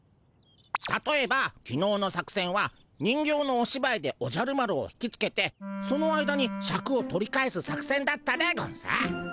たとえばきのうの作せんは人形のおしばいでおじゃる丸を引きつけてその間にシャクを取り返す作せんだったでゴンス。